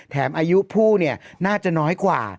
อายุผู้น่าจะน้อยกว่า